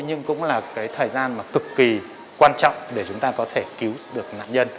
nhưng cũng là cái thời gian mà cực kỳ quan trọng để chúng ta có thể cứu được nạn nhân